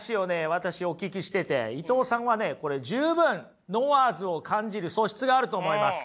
私お聞きしてて伊藤さんはねこれ十分ノワーズを感じる素質があると思います。